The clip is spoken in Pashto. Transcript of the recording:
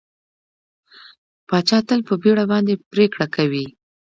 پاچا تل په بېړه باندې پرېکړه کوي کوي.